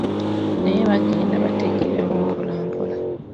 Naye baagenda bategeerawo mpolampola.